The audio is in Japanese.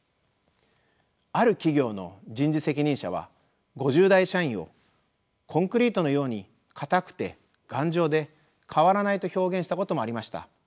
ある企業の人事責任者は５０代社員をコンクリートのように硬くて頑丈で変わらないと表現したこともありました。